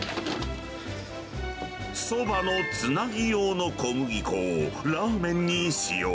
そばのつなぎ用の小麦粉をラーメンに使用。